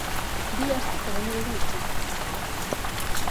Bi astez egongo dira itxita.